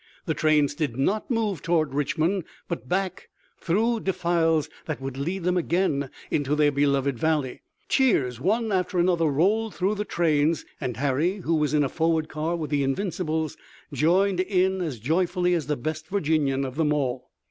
The trains did not move toward Richmond, but back, through defiles that would lead them again into their beloved valley. Cheers one after another rolled through the trains, and Harry, who was in a forward car with the Invincibles, joined in as joyfully as the best Virginian of them all.